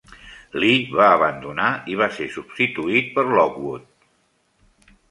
Lee va abandonar i va ser substituït per Lockwood.